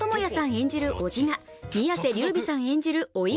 演じるおじが宮世琉弥さん演じるおい